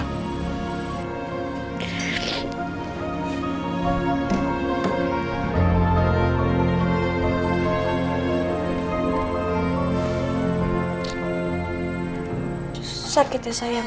susah gitu sayang